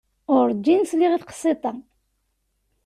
Urǧin sliɣ i teqsiḍt-a.